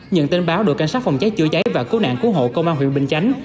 nhận tin báo đội cảnh sát phòng cháy chữa cháy và cứu nạn cứu hộ công an huyện bình chánh